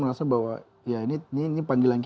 elemah dari tujuan